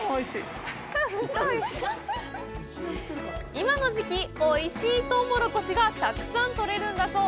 今の時期、おいしいとうもろこしがたくさん取れるんだそう。